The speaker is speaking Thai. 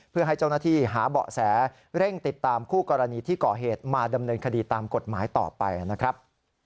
เพื่อให้เจ้าหน้าที่หาเบาะแสเร่งติดตามคู่กรณีที่ก่อเหตุมาดำเนินคดีตามกฎหมายต่อไปนะครับ